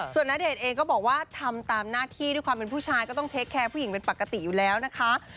ส่วนณเดชน์เองก็บอกว่าทำตามหน้าที่ด้วยความเป็นผู้ชายก็ต้องเทคแคร์ผู้หญิงเป็นปกติอยู่แล้วนะคะ